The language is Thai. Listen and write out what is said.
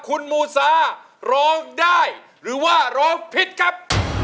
คุณมูซาร้องได้หรือว่าร้องผิดครับ